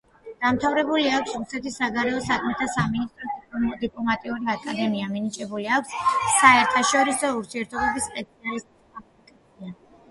დამთავრებული აქვს რუსეთის საგარეო საქმეთა სამინისტროს დიპლომატიური აკადემია, მინიჭებული აქვს საერთაშორისო ურთიერთობების სპეციალისტის კვალიფიკაცია.